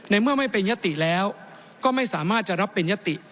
เมื่อไม่เป็นยติแล้วก็ไม่สามารถจะรับเป็นยติ